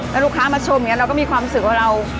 แล้วลูกค้ามาชมเราก็มีความสุขว่าเรา